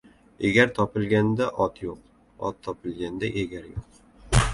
• Egar topilganda — ot yo‘q, ot topilganda — egar yo‘q.